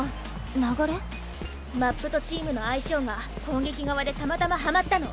マップとチームの相性が攻撃側でたまたまはまったの。